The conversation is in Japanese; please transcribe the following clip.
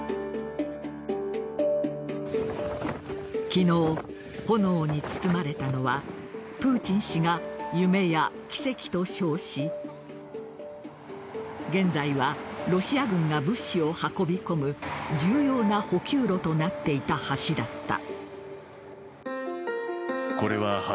昨日、炎に包まれたのはプーチン氏が夢や奇跡と称し現在はロシア軍が物資を運び込む重要な補給路となっていた橋だった。